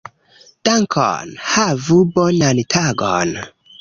Dankon. Havu bonan tagon.